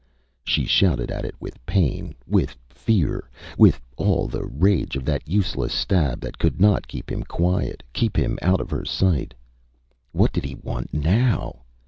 Â she shouted at it with pain, with fear, with all the rage of that useless stab that could not keep him quiet, keep him out of her sight. What did he want now?